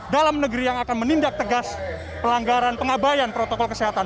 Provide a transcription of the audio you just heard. dalam negeri yang akan menindak tegas pelanggaran pengabayan protokol kesehatan